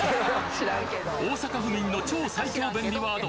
大阪府民の超最強便利ワード